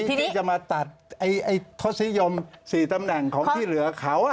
ที่จะมาตัดทศนิยม๔ตำแหน่งของที่เหลือเขา